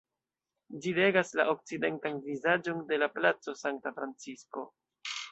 Ĝi regas la okcidentan vizaĝon de la Placo Sankta Francisko.